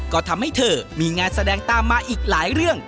ก็ทำให้เธอมีงานแสดงตามมาอีกหลายเรื่อง